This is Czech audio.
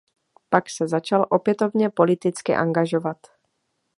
Pak se začal opětovně politicky angažovat.